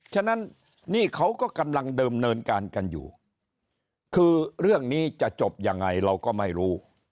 ฉะนั้นนี่เขาก็กำลังเดิมเนินการกันอยู่คือเรื่องนี้จะจบยังไงเราก็ไม่รู้